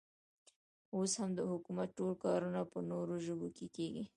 اوس هم د حکومت ټول کارونه په نورو ژبو کې کېږي.